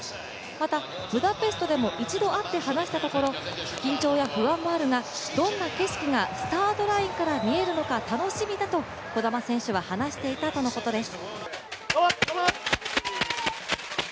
またブダペストでも一度会って話したところ、緊張や不安もあるがどんな景色がスタートラインから見えるのか楽しみだと児玉選手は話していたとのことです。